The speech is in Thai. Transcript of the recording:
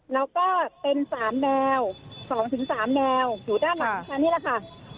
แล้วก็เป็นสามแนวสองถึงสามแนวอยู่ด้านหลังทางนี้แหละค่ะ